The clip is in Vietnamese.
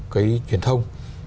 cái truyền thông